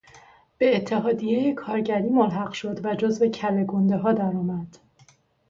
به اتحادیهی کارگری ملحق شد و جزو کله گندهها درآمد.